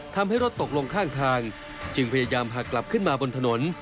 ทำให้รถตกลงข้างทางจึงพยายามหักกลับขึ้นมาบนถนน